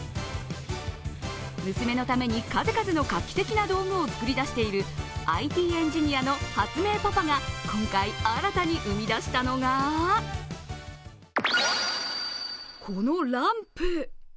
娘のために数々の画期的な道具を作り出しているＩＴエンジニアの発明パパが今回新たに生み出したのがこのランプ。